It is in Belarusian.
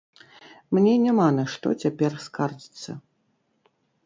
Мне няма на што цяпер скардзіцца.